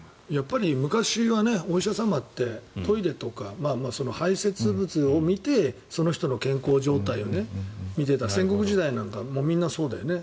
昔はお医者様ってトイレとか排せつ物を見てその人の健康状態を見ていた戦国時代なんかみんなそうだよね。